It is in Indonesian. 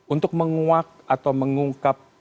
untuk menguak atau mengungkap